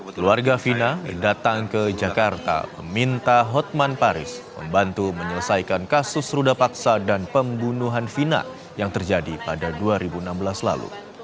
keluarga fina yang datang ke jakarta meminta hotman paris membantu menyelesaikan kasus ruda paksa dan pembunuhan vina yang terjadi pada dua ribu enam belas lalu